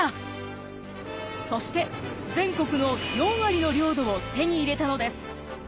そして全国の４割の領土を手に入れたのです。